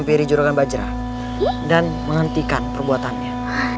dari juragan bajra dan menghentikan perbuatannya